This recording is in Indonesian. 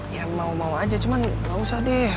ya mau mau aja cuman gak usah deh